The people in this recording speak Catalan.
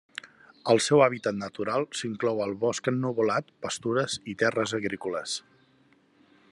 El seu hàbitat natural s'inclou al bosc ennuvolat, pastures i terres agrícoles.